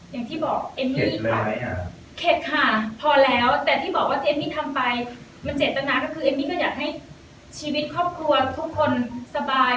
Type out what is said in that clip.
อย่างที่บอกเอมมี่ค่ะเข็ดค่ะพอแล้วแต่ที่บอกว่าเอมมี่ทำไปมันเจตนาก็คือเอมมี่ก็อยากให้ชีวิตครอบครัวทุกคนสบาย